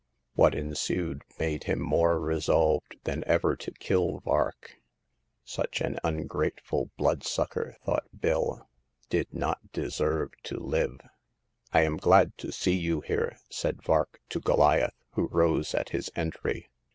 What ensued made him more resolved than ever to kill Vark. Such an ungrateful blood sucker, thought Bill, did not deserve to live. *' I am glad to see you here," said Vark to Goliath, who rose at his entry.